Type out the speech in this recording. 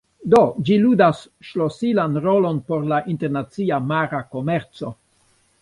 Do, ĝi ludas ŝlosilan rolon por la internacia mara komerco.